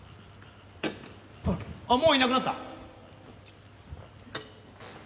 もういなくなった？